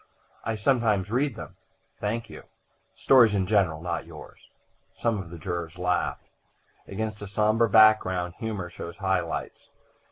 "I sometimes read them." "Thank you." "Stories in general not yours." Some of the jurors laughed. Against a sombre background humor shows high lights.